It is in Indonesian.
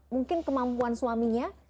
mungkin kemampuan suaminya